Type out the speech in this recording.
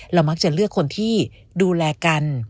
เรามักจะเลือกคนที่ดูแลกัน